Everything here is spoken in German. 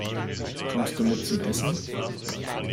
Kommst du mit zum Essen?